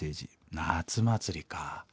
夏祭りか。